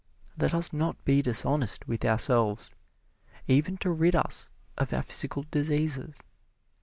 Let us not be dishonest with ourselves, even to rid us of our physical diseases.